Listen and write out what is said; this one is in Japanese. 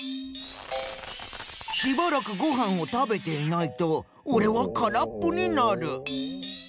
しばらくごはんを食べていないとオレはからっぽになる。